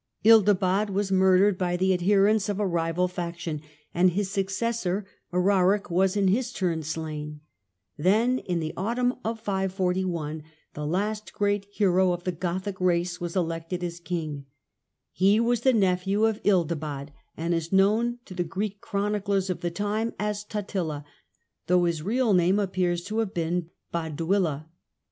Ildibad was murdered by the adherents of a rival faction, and his Gothic successor, Eraric, was in his turn slain. Then, in the under* autumn of 541, the last great hero of the Gothic race Totiia was e } ec {; e( j as king. He was the nephew of Ildibad, and is known to the Greek chroniclers of the time as Tptila , though his real name appears to have been Baduila.